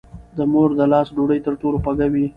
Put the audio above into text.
د مور د لاس ډوډۍ تر ټولو خوږه وي.